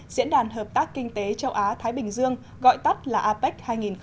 diễn đàn hợp tác kinh tế châu á thái bình dương gọi tắt là apec hai nghìn hai mươi